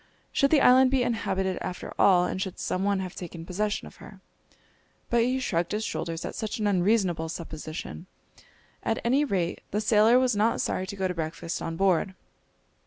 Should the island be inhabited after all, and should some one have taken possession of her? But he shrugged his shoulders at such an unreasonable supposition. At any rate the sailor was not sorry to go to breakfast on board.